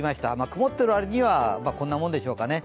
曇っている割には、こんなもんでしょうかね。